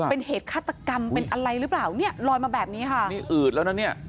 เป็นเหตุฆาตกรรมเป็นอะไรหรือเปล่านี่ลอยมาแบบนี้ค่ะ